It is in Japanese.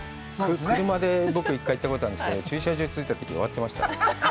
車で僕１回行ったことあるんですけど、駐車場に着いたとき終わってました。